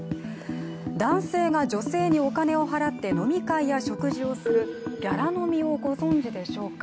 男性が女性にお金を払って飲み会や食事をするギャラ飲みをご存じでしょうか。